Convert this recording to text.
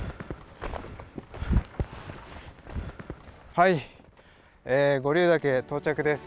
はい五竜岳到着です。